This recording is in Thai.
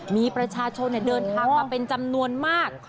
มีประชาชนเดินทางมาเป็นจำนวนมาก